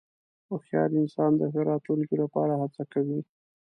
هوښیار انسان د ښه راتلونکې لپاره هڅه کوي.